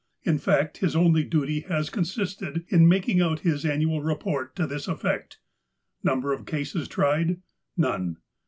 In fact, his only duty has consisted in making out his annual report to this effect :" Number of cases tried ? None."